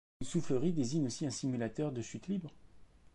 Une soufflerie désigne aussi un simulateur de chute libre.